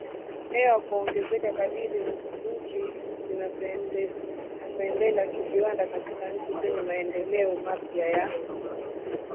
hewa kuongezeka kadiri nchi zinavyoendela kiviwanda Katika nchi zenye maendeleo mapya ya